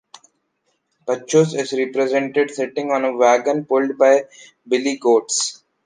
Bacchus is represented sitting on a wagon pulled by billy goats.